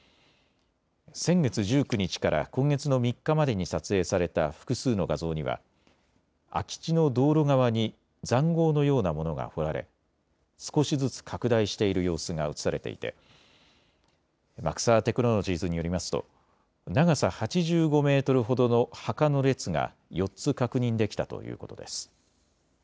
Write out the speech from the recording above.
先月１９日から今月の３日までに撮影された複数の画像には空き地の道路側にざんごうのようなものが掘られ少しずつ拡大している様子が写されていてマクサー・テクノロジーズによりますと長さ８５メートルほどの墓の列が４つ確認できたということです。